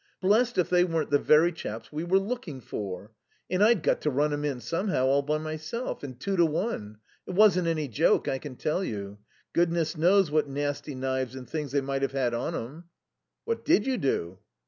Blest if they weren't the very chaps we were looking for. And I'd got to run 'em in somehow, all by myself. And two to one. It wasn't any joke, I can tell you. Goodness knows what nasty knives and things they might have had on 'em." "What did you do?"